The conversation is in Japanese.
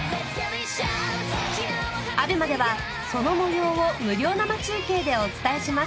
ＡＢＥＭＡではその模様を無料生中継でお伝えします。